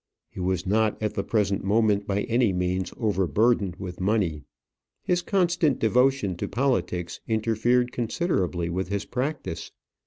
He was not at the present moment by any means over burdened with money. His constant devotion to politics interfered considerably with his practice.